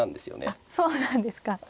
あっそうなんですか。